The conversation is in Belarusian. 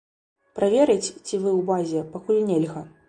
Праверыць, ці вы ў базе, пакуль нельга.